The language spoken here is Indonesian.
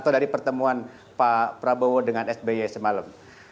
atau dari pertemuan pak prabowo dengan sby semalam